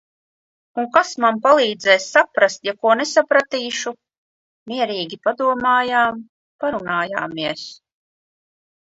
Un kas man palīdzēs saprast, ja ko nesapratīšu?... mierīgi padomājām, parunājāmies...